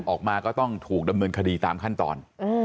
ออกมาก็ต้องถูกดำเนินคดีตามขั้นตอน